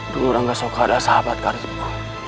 dulu rangkasoka adalah sahabat karibku